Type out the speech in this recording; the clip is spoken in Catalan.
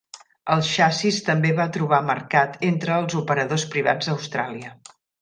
El xassís també va trobar mercat entre els operadors privats d'Austràlia.